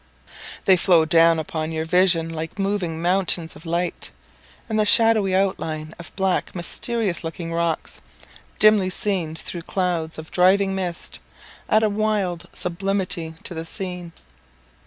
They flow down upon your vision like moving mountains of light; and the shadowy outline of black mysterious looking rocks, dimly seen through clouds of driving mist, adds a wild sublimity to the scene.